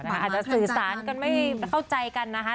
อาจจะสื่อสารกันไม่เข้าใจกันนะคะ